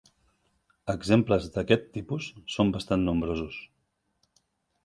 Exemples d'aquest tipus són bastant nombrosos.